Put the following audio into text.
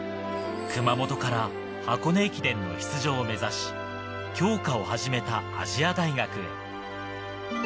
熊本から箱根駅伝の出場を目指し、強化を始めた亜細亜大学へ。